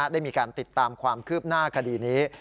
ได้มีการติดตามความคืบหน้าคดีนี้